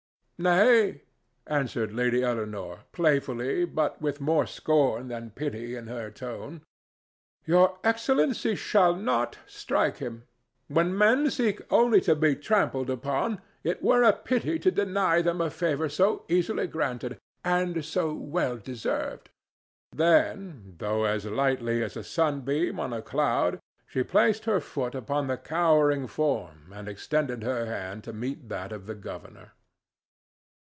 "Nay," answered Lady Eleanore, playfully, but with more scorn than pity in her tone; "Your Excellency shall not strike him. When men seek only to be trampled upon, it were a pity to deny them a favor so easily granted—and so well deserved!" Then, though as lightly as a sunbeam on a cloud, she placed her foot upon the cowering form and extended her hand to meet that of the governor.